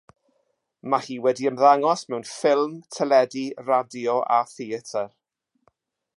Mae hi wedi ymddangos mewn ffilm, teledu, radio a theatr.